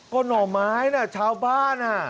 ก็หน่อไม้นะชาวบ้าน